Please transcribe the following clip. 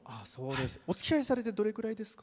おつきあいされてどれくらいですか？